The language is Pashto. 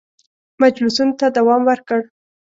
مجلسونو ته دوام ورکړ.